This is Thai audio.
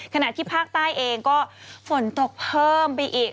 ขณะที่ภาคใต้เองก็ฝนตกเพิ่มไปอีก